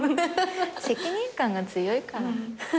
責任感が強いから。